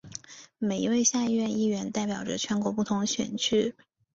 每一位下议院议员代表着全国不同选区。